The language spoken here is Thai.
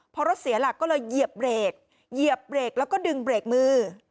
พอรถเสียหลักก็เลยเหยียบเบรกเหยียบเบรกแล้วก็ดึงเบรกมือ